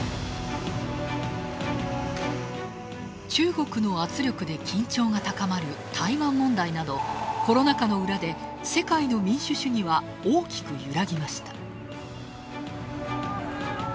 中国の圧力で緊張が高まる台湾問題など、コロナ禍の裏で世界の民主主義は大きく揺らぎました。